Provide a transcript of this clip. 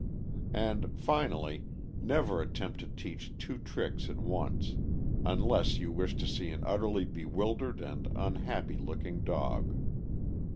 And finally, never attempt to teach two tricks a£ once, unless you wish to see an utterly bewildered and unhappy looking dog.